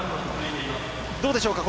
どうでしょうか。